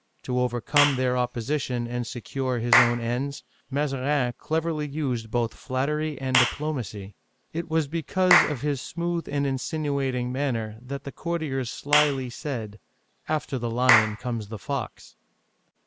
To overcome their opposition and secure his own ends, Mazarin cleverly used both flattery and diplomacy. It was because of his smooth and insinuating manners that the courtiers slyly said, "After the lion comes the fox."